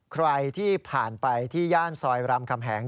ใครที่ผ่านไปที่ย่านซอยรำคำแหง